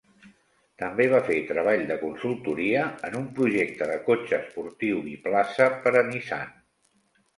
També va fer treball de consultoria en un projecte de cotxe esportiu biplaça per a Nissan.